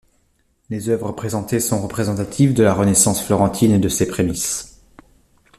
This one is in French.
Les œuvres présentées sont représentatives de la Renaissance florentine et de ses prémices.